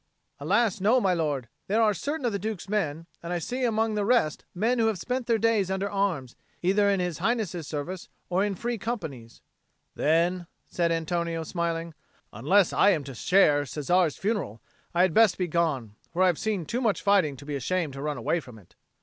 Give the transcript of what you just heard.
"Alas, no, my lord. There are certain of the Duke's men, and I see among the rest men who have spent their days under arms, either in His Highness's service or in Free Companies." "Then," said Antonio, smiling, "unless I am to share Cesare's funeral, I had best be gone. For I have seen too much fighting to be ashamed to run away from it."